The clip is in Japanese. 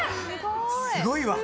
すごいわ！